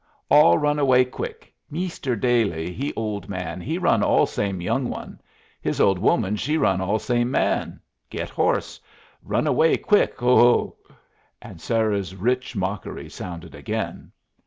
All run away quick. Meester Dailey, he old man, he run all same young one. His old woman she run all same man. Get horse. Run away quick. Hu hu!" and Sarah's rich mockery sounded again.